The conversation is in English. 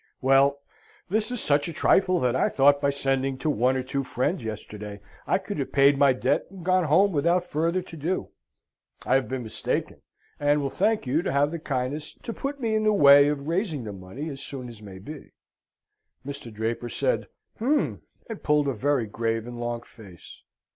"Well, this is such a trifle that I thought by sending to one or two friends, yesterday, I could have paid my debt and gone home without further to do. I have been mistaken; and will thank you to have the kindness to put me in the way of raising the money as soon as may be." Mr. Draper said "Hm!" and pulled a very grave and long face.